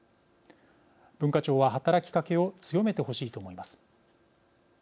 文化庁は働きかけを強めてほしいと思います。